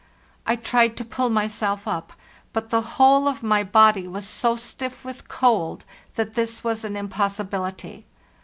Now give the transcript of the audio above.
I tried to pull myself up, but the whole of my body was so stiff with cold that this was an impossibility.